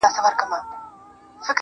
ما خپل پښتون او خپل ياغي ضمير كي_